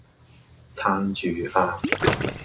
撐住呀